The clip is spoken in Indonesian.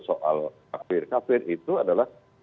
soal kafir kafir itu adalah